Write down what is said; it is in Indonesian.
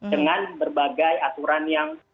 dengan berbagai aturan yang